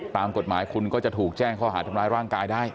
ตามกฎหมายคุณก็จะถูกแจ้งข้อหาทำร้ายร่างกายได้